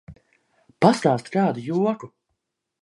Pastāsti kādu joku!